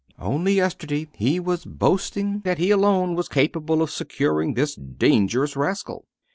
Only yesterday he was boasting that he alone was capable of securing this dangerous rascal."